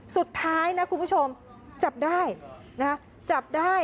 สุดท้ายนะคุณผู้ชมจับได้นะจับได้